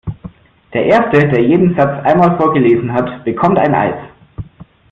Der erste, der jeden Satz einmal vorgelesen hat, bekommt ein Eis!